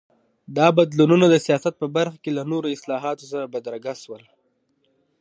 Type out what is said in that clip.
دا بدلونونه د سیاست په برخه کې له نورو اصلاحاتو سره بدرګه شول.